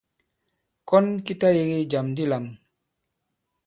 Kɔn ki ta yege jàm di lām.